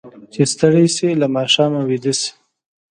چې ستړي شي، له ماښامه ویده شي.